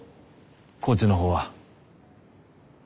コーチのほうは。